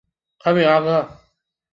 康比阿克。